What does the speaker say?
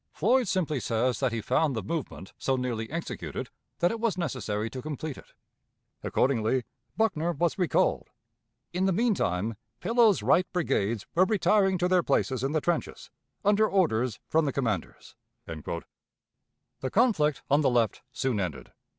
Floyd simply says that he found the movement so nearly executed that it was necessary to complete it. Accordingly, Buckner was recalled. In the mean time, Pillow's right brigades were retiring to their places in the trenches, under orders from the commanders." The conflict on the left soon ended.